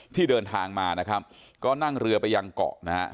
ที่เดินทางมานะครับก็นั่งเรือไปยังเกาะนะฮะ